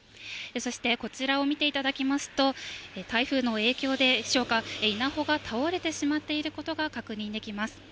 そしてこちらを見ていただきますと、台風の影響でしょうか、稲穂が倒れてしまっていることが確認できます。